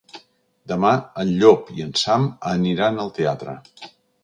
Demà en Llop i en Sam aniran al teatre.